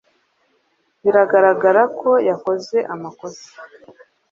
Biragaragara ko yakoze amakosa